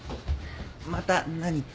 また何か。